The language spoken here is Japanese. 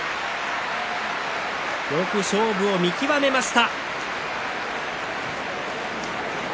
勝負を見極めました。